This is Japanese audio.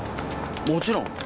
もちろん。